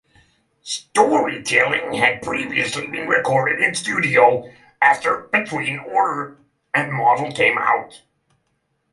"Storytelling" had previously been recorded in studio after Between Order And Model came out.